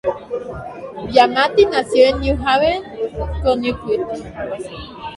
Giamatti nació en New Haven, Connecticut.